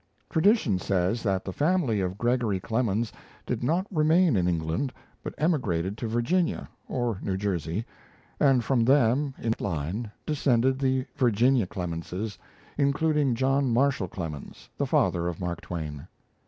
Tradition says that the family of Gregory Clemens did not remain in England, but emigrated to Virginia (or New Jersey), and from them, in direct line, descended the Virginia Clemenses, including John Marshall Clemens, the father of Mark Twain.